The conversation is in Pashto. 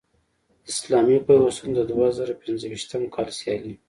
اسلامي پیوستون د دوه زره پنځویشتم کال سیالۍ